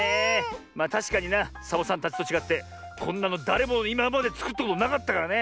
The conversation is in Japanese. まあたしかになサボさんたちとちがってこんなのだれもいままでつくったことなかったからね。